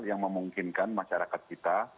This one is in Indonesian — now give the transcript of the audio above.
yang memungkinkan masyarakat kita